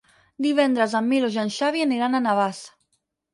Divendres en Milos i en Xavi aniran a Navàs.